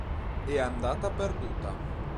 È andata perduta.